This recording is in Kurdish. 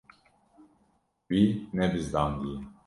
Wî nebizdandiye.